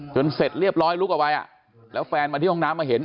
เสร็จเรียบร้อยลุกออกไปแล้วแฟนมาที่ห้องน้ำมาเห็น